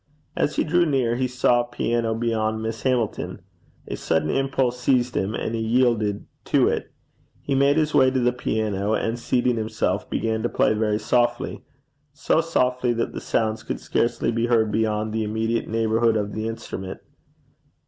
As he drew near he saw a piano behind Miss Hamilton. A sudden impulse seized him, and he yielded to it. He made his way to the piano, and seating himself, began to play very softly so softly that the sounds could scarcely be heard beyond the immediate neighbourhood of the instrument.